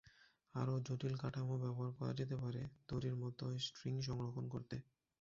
আরও জটিল কাঠামো ব্যবহার করা যেতে পারে দড়ির মতো স্ট্রিং সংরক্ষণ করতে।